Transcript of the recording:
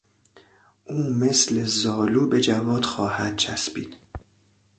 او مثل زالو به جواد خواهد چسبید.